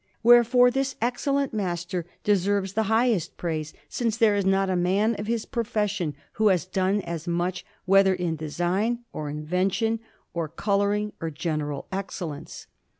Wherefore this excellent master deserves the highest praise, since there is not a man of his profession who has done as much, whether in design, or invention, or colouring, or general excellence.